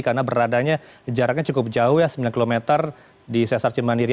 karena beradanya jaraknya cukup jauh ya sembilan km di sesar cemandiri